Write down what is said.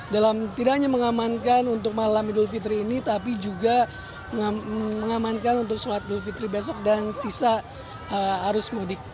dalam tidak hanya mengamankan untuk malam idul fitri ini tapi juga mengamankan untuk sholat idul fitri besok dan sisa arus mudik